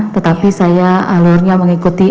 tetapi saya alurnya mengikuti